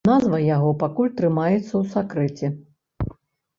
Назва яго пакуль трымаецца ў сакрэце.